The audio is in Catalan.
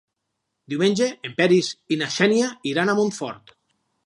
Diumenge en Peris i na Xènia iran a Montfort.